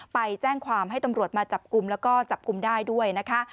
ไปแจ้งความให้ตำรวจมาจับกลุ่มแล้วก็จับกลุ่มได้ด้วยนะคะ